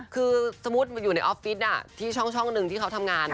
คือสมมุติอยู่ในออฟฟิศที่ช่องหนึ่งที่เขาทำงาน